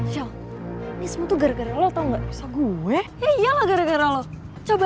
jangan monster dengkat